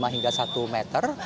lima hingga satu meter